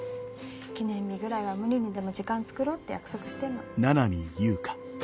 記念日ぐらいは無理にでも時間つくろうって約束してるの。